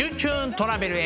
トラベル」へ。